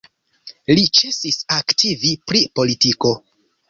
Li ĉesis aktivi pri politiko.